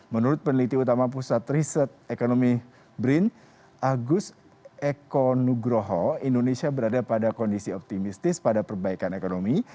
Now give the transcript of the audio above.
menurut peneliti utama pusat riset ekonomi brin agus eko nugroho indonesia berada pada kondisi optimistis pada perbaikan ekonomi